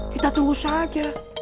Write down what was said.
kita tunggu saja